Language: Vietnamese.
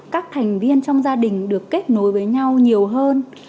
các thành viên trong gia đình được kết nối với nhau nhiều hơn